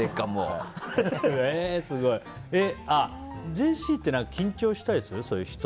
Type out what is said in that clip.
ジェシーって緊張したりする？